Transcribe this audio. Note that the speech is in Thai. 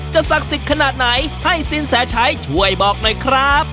ศักดิ์สิทธิ์ขนาดไหนให้สินแสชัยช่วยบอกหน่อยครับ